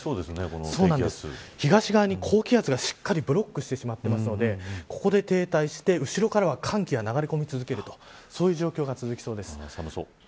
東側に高気圧がしっかりブロックしてしまっていますのでここで停滞して後ろからは寒気が流れ込み続けるという状況が続きそうです。